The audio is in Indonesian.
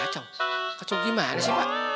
kacau kacau gimana sih pak